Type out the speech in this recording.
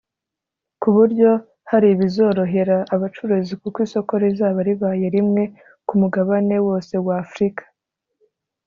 ku buryo hari ibizorohera abacuruzi kuko isoko rizaba ribaye rimwe ku mugabane wose wa Afrika